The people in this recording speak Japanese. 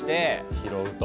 拾うと。